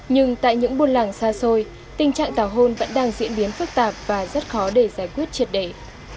nhưng tại những buôn làng xa xôi tình trạng tào hôn vẫn đang diễn biến phức tạp và rất khó để giải quyết triệt đề